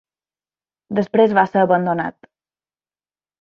Després va ser abandonat.